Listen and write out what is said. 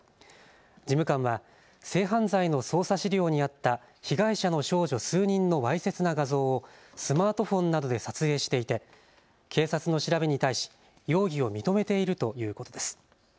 事務官は性犯罪の捜査資料にあった被害者の少女数人のわいせつな画像をスマートフォンなどで撮影していて警察の調べに対し容疑を認めているということです。